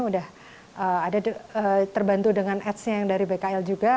udah ada terbantu dengan atsnya yang dari bkl juga